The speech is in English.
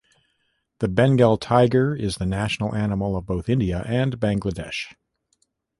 The Bengal tiger is the national animal of both India and Bangladesh.